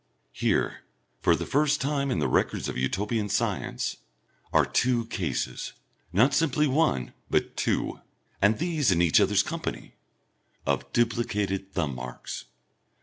Here, for the first time in the records of Utopian science, are two cases not simply one but two, and these in each other's company! of duplicated thumb marks.